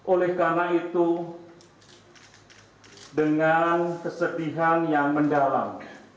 oleh karena itu dengan kesedihan yang mendalam